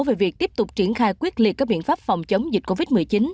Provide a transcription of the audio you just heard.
về việc tiếp tục triển khai quyết liệt các biện pháp phòng chống dịch covid một mươi chín